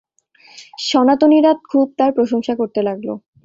সনাতনীরা খুব তার প্রশংসা করতে লাগল।